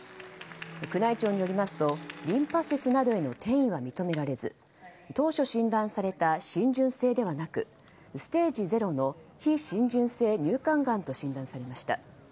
宮内庁によりますとリンパ節などへの転移は認められず当初診断された浸潤性ではなくステージ０の非浸潤性乳管がんと診断されました。